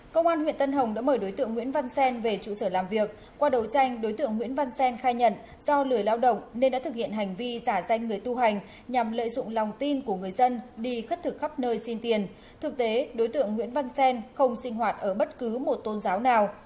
công an huyện tân hồng đã mời đối tượng nguyễn văn xen về trụ sở làm việc qua đấu tranh đối tượng nguyễn văn xen khai nhận do lười lao động nên đã thực hiện hành vi giả danh người tu hành nhằm lợi dụng lòng tin của người dân đi khất thực khắp nơi xin tiền thực tế đối tượng nguyễn văn xen không sinh hoạt ở bất cứ một tôn giáo nào